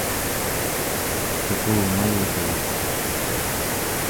tuqumalriit